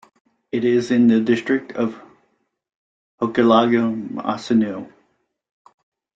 It is in the district of Hochelaga-Maisonneuve.